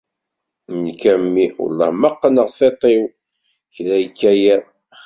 Nekk a mmi welleh ma qqneɣ tiṭ-iw kra yekka yiḍ.